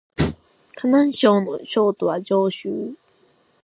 河南省の省都は鄭州